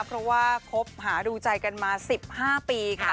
เพราะว่าคบหาดูใจกันมา๑๕ปีค่ะ